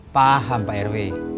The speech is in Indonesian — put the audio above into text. paham pak rw